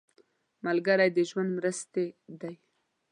ملګری د ژوند مرستې دی